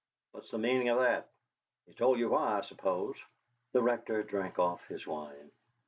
What's the meaning of that? He told you why, I suppose?" The Rector drank off his wine.